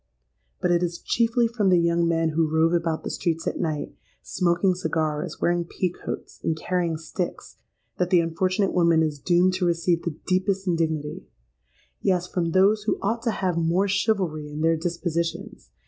But it is chiefly from the young men who rove about the streets at night, smoking cigars, wearing pea coats, and carrying sticks, that the unfortunate woman is doomed to receive the deepest indignity:—yes, from those who ought to have more chivalry in their dispositions!